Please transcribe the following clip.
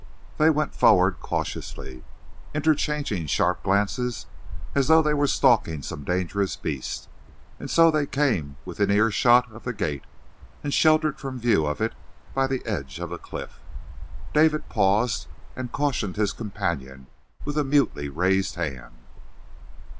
They went forward cautiously, interchanging sharp glances as though they were stalking some dangerous beast, and so they came within earshot of the gate and sheltered from view of it by the edge of the cliff. David paused and cautioned his companion with a mutely raised hand.